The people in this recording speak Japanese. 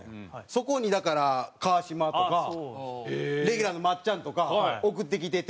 そこにだから川島とかレギュラーのまっちゃんとか送ってきてて。